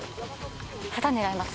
旗狙います。